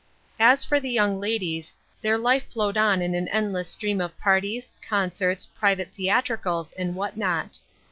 As for the young ladies, their life flowed on in an endless stream of parties, concerts, private theatricals, and what not.